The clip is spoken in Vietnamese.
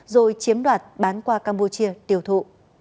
rồi chiếm đoạt bán qua campuchia tiêu thụ